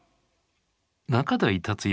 仲代達矢